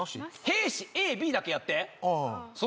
兵士ＡＢだけやってあああっ